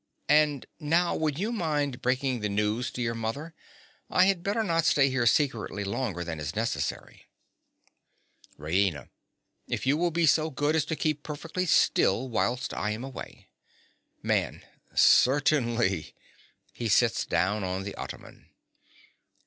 And now would you mind breaking the news to your mother? I had better not stay here secretly longer than is necessary. RAINA. If you will be so good as to keep perfectly still whilst I am away. MAN. Certainly. (_He sits down on the ottoman.